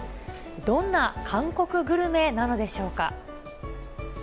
どんな韓国グルメなのでしょうか。